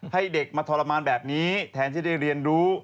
ให้เด็กมาทรมานแบบนี้แทนที่ได้เรียนรู้